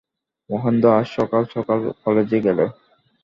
মহেন্দ্র আজ সকাল সকাল কালেজে গেল।